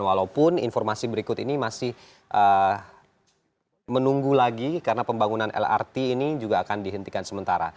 walaupun informasi berikut ini masih menunggu lagi karena pembangunan lrt ini juga akan dihentikan sementara